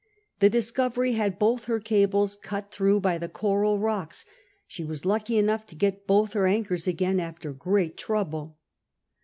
Tlie Discovery had both her cables (jiit through by the coral rocks : she was lucky enough to get both her anchors again, after great trouble.